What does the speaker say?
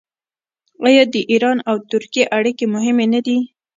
آیا د ایران او ترکیې اړیکې مهمې نه دي؟